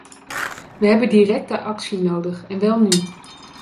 We hebben directe actie nodig en wel nu.